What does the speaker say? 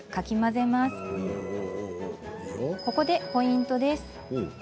ここでポイントです。